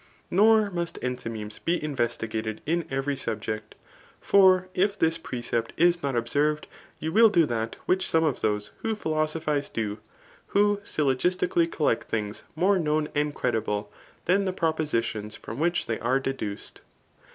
Nor must enthymemes be investi gated in every subject ; for if this [precept] is not observed, you will do that which some of those who philosophise CBAP« Xyil. mHBTORlC^ ij^ do^ who ^Uogisdcally collect things more known and credible, than the proportions from which they dre de^ duced.